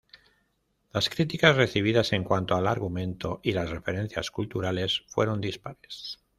Las críticas recibidas en cuanto al argumento y las referencias culturales fueron dispares.